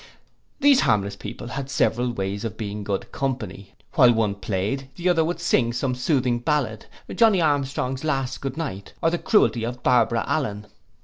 These harmless people had several ways of being good company, while one played, the other would sing some soothing ballad, Johnny Armstrong's last good night, or the cruelty of Barbara Allen.